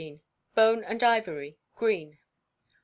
Bone and Ivory. _Green.